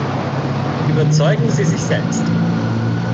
Überzeugen Sie sich selbst!